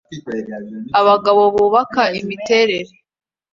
Abagabo bubaka imiterere